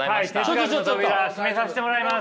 哲学の扉閉めさしてもらいます。